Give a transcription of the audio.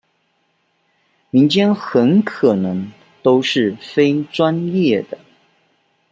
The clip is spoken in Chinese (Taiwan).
民間很可能都是非專業的